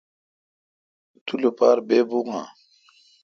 تو لوپار ییبو اؘ۔